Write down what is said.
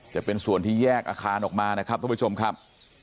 จะเป็นส่วนที่แยกอาคารออกมานะครับทุกผู้ชมครับ